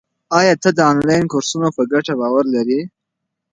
آیا ته د انلاین کورسونو په ګټه باور لرې؟